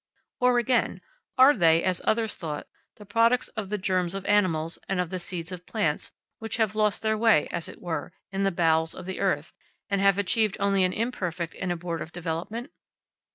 Or, again, are they, as others thought, the products of the germs of animals and of the seeds of plants which have lost their way, as it were, in the bowels of the earth, and have achieved only an imperfect and abortive development?